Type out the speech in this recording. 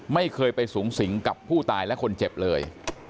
ไม่เคยไปสูงสิงกับผู้ตายและคนเจ็บเลย